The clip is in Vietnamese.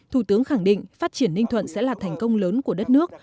thủ tướng khẳng định phát triển ninh thuận sẽ là thành công lớn của đất nước